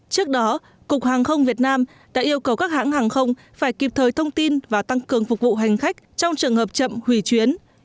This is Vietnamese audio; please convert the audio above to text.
trước đó cục hàng không việt nam đã yêu cầu các hãng hàng không phải kịp thời thông tin và tăng cường phục vụ hành khách trong trường hợp chậm hủy chuyến